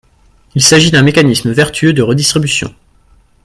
Il s’agit d’un mécanisme vertueux de redistribution.